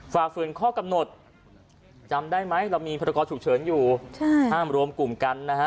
ฝ่าฝืนข้อกำหนดจำได้ไหมเรามีพรกรฉุกเฉินอยู่ใช่ห้ามรวมกลุ่มกันนะฮะ